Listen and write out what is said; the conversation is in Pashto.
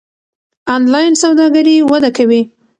انلاین سوداګري وده کوي.